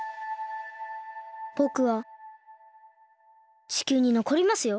ぼくは地球にのこりますよ。